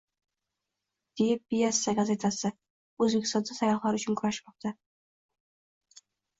“Die Presse” gazetasi: Oʻzbekiston sayyohlar uchun kurashmoqda!